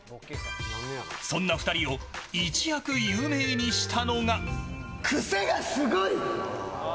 そんな２人を一躍有名にしたのが。